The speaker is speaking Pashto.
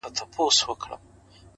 • چي اوبه تر ورخ اوښتي نه ستنېږي,